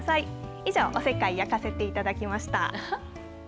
以上、おせっかい焼かせていただきました。